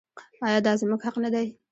آیا دا زموږ حق نه دی؟